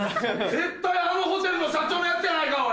絶対あのホテルの社長のやつやないかおい！